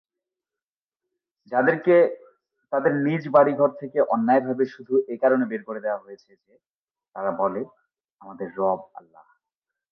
যাদেরকে তাদের নিজ বাড়ি-ঘর থেকে অন্যায়ভাবে শুধু এ কারণে বের করে দেয়া হয়েছে যে, তারা বলে, ‘আমাদের রব আল্লাহ’।